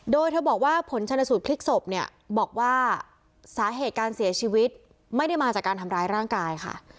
โดยเธอบอกว่าผลชนสูตรพลิกศพเนี่ยบอกว่าสาเหตุการเสียชีวิตไม่ได้มาจากการทำร้ายร่างกายค่ะ